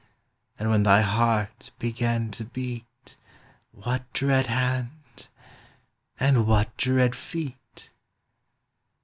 And when thy heart began to beat. What dread hand? and what dread feet?